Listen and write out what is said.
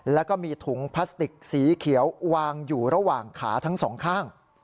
แล้วก็มีถุงพลาสติกสีเขียววางอยู่ระหว่างขาทั้งสองข้าง